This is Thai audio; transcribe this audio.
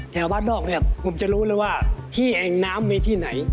แถวบ้านนอกเนี่ยผมจะรู้เลยว่าที่แอ่งน้ำมีที่ไหน